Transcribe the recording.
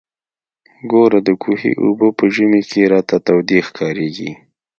ګوره د کوهي اوبه په ژمي کښې راته تودې ښکارېږي.